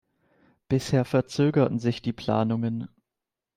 Bisher verzögerten sich die Planungen.